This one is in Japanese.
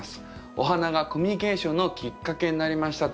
お花がコミュニケーションのきっかけになりました」ということで。